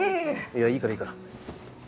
いやいいからいいから。